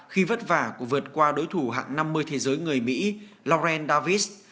khi vất vả của vượt qua đối thủ hạng năm mươi thế giới người mỹ lauren davis